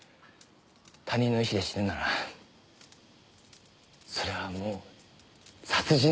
他人の意思で死ぬならそれはもう殺人です。